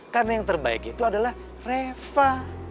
karena yang terbaik itu adalah reva